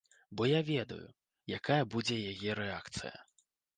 Бо я ведаю, якая будзе яе рэакцыя.